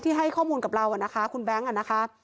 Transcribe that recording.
ให้ข้อมูลกับเรานะคะคุณแบงค์นะคะ